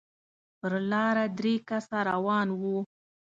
پر لاره درې کسه روان وو.